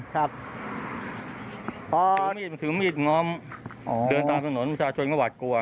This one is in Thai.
ครับถึงมีดมันถึงมีดมันง้อมเดินตามถนนประชาชนก็หวัดกลัว